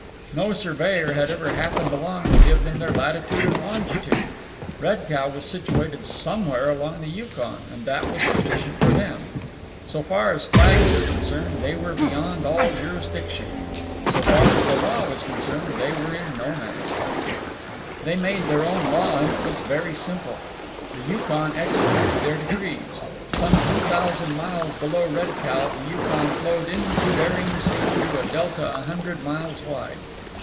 No surveyor had ever happened along to give them their latitude and longitude. Red Cow was situated somewhere along the Yukon, and that was sufficient for them. So far as flags were concerned, they were beyond all jurisdiction. So far as the law was concerned, they were in No Man's land. They made their own law, and it was very simple. The Yukon executed their decrees. Some two thousand miles below Red Cow the Yukon flowed into Bering Sea through a delta a hundred miles wide.